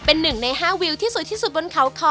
เป็นหนึ่งใน๕วิวที่สวยที่สุดบนเขาคอ